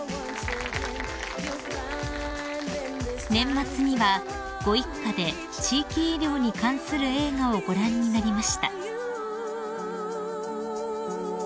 ［年末にはご一家で地域医療に関する映画をご覧になりました］